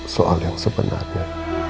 soal yang sebenarnya